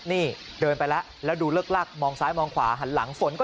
นี่เดินไปแล้วแล้วดูเลิกลักมองซ้ายมองขวาหันหลังฝนก่อน